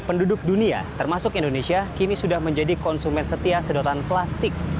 penduduk dunia termasuk indonesia kini sudah menjadi konsumen setia sedotan plastik